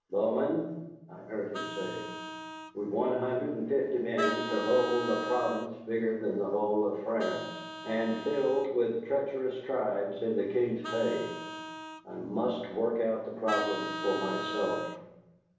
"Bowman," I heard him say, "we have one hundred and fifty men to hold a province bigger than the whole of France, and filled with treacherous tribes in the King's pay. I must work out the problem for myself."